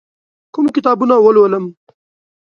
کوم کتابونه ولولم؟